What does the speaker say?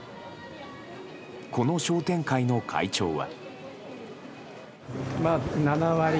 この商店会の会長は。